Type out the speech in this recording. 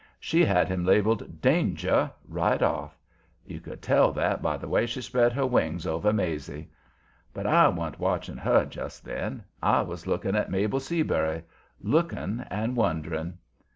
She had him labeled "Danger" right off; you could tell that by the way she spread her wings over "Maizie." But I wa'n't watching her just then. I was looking at Mabel Seabury looking and wondering.